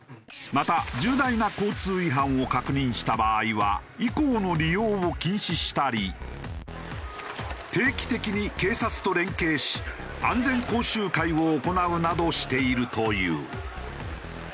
また重大な交通違反を確認した場合は以降の利用を禁止したり定期的に警察と連携し安全講習会を行うなどしているという。